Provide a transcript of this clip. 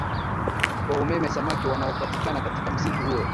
wa umeme Samaki wanaopatikana katika msitu huo